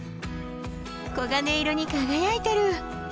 黄金色に輝いてる！